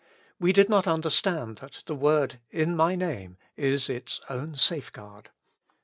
We did not understand that the word " in my Name " is its own safeguard.